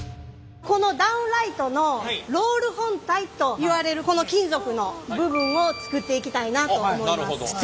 このダウンライトのロール本体といわれるこの金属の部分を作っていきたいなと思います。